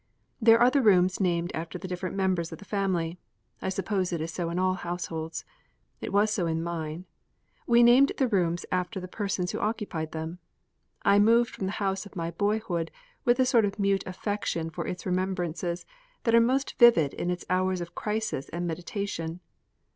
There are the rooms named after the different members of the family. I suppose it is so in all households. It was so in mine; we named the rooms after the persons who occupied them. I moved from the house of my boyhood with a sort of mute affection for its remembrances that are most vivid in its hours of crisis and meditation.